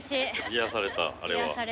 癒やされたあれは。